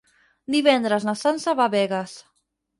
Divendres na Sança va a Begues.